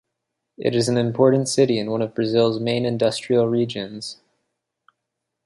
It is an important city in one of Brazil's main industrial regions.